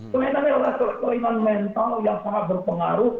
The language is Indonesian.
kemainannya adalah kelainan mental yang sangat berpengaruh